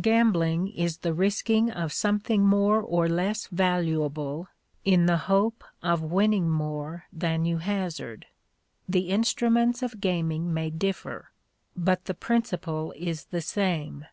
Gambling is the risking of something more or less valuable in the hope of winning more than you hazard. The instruments of gaming may differ, but the principle is the same.